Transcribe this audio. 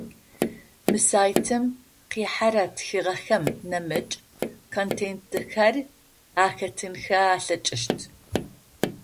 Мы сайтым къихьэрэ тхыгъэхэм нэмыкӏ контентхэр ахэтынхэ алъэкӏыщт.